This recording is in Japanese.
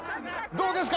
どうですか